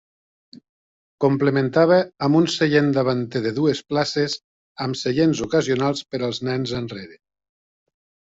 Complementava amb un seient davanter de dues places, amb seients ocasionals per als nens enrere.